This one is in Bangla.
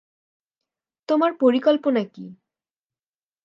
তোমার পরিকল্পনা কি?